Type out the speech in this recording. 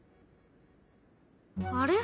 あれ？